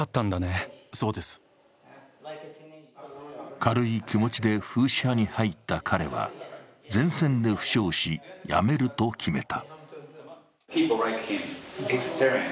軽い気持ちでフーシ派に入った彼は、前線で負傷し、辞めると決めた。